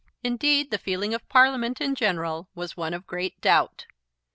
Indeed, the feeling of Parliament in general was one of great doubt.